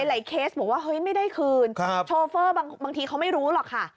เคสบอกว่าเฮ้ยไม่ได้คืนโชเฟอร์บางทีเขาไม่รู้หรอกค่ะ